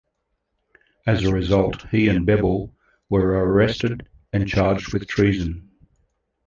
As a result, he and Bebel were arrested and charged with treason.